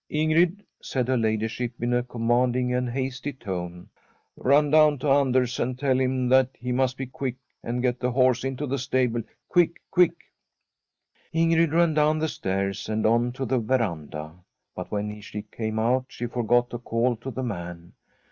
' Ingrid,' said her ladyship in a commanding Tbi STORY of a COUNTRY HOUSE and hasty tone, ' run down to Anders and tell him that he must be quick and get the horse into the stable. Quick — quick !' Ingrid ran down the stairs and on to the ve randa ; but when she came out she forgot to call ta the man.